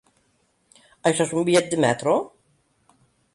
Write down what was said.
Això és un bitllet de metro?